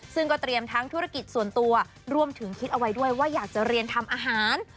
ซึ่งก็เตรียมทั้งธุรกิจส่วนตัวรวมถึงคิดเอาไว้ด้วยว่าอยากจะเรียนทำอาหาร